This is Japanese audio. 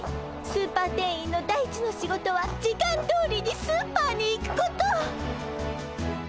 スーパー店員の第一の仕事は時間どおりにスーパーに行くこと。